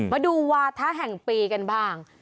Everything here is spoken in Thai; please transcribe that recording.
มาดูวาทะแห่งปีกันบ้าง